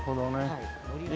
はい。